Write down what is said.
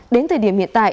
đến thời điểm hiện tại